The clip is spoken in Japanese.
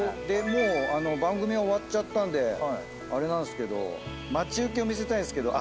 もう番組は終わっちゃったんであれなんすけど待ち受けを見せたいんですけど。